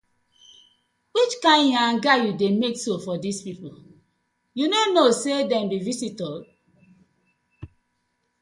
Which kind yanga you dey mek so for dis pipu, yu no kno say dem bi visitors?